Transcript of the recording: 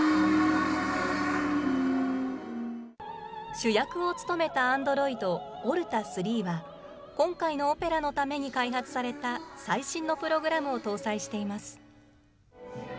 主役を務めたアンドロイド、オルタ３は、今回のオペラのために開発された最新のプログラムを搭載しています。